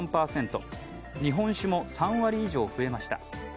日本酒も３割以上増えました。